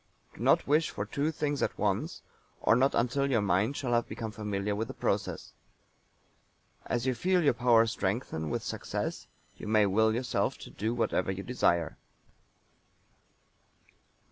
Do not wish for two things at once, or not until your mind shall have become familiar with the process. As you feel your power strengthen with success you may will yourself to do whatever you desire.